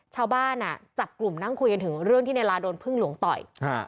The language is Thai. ชาวบ้านจับกลุ่มนั่งคุยกันถึงเรื่องที่ในลาโดนพึ่งหลวงต่อย